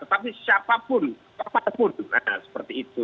tapi siapapun apapun nah seperti itu